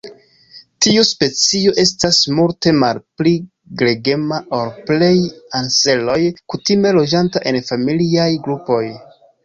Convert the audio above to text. Tiu specio estas multe malpli gregema ol plej anseroj, kutime loĝanta en familiaj grupoj.